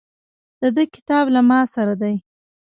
د ده کتاب له ماسره ده.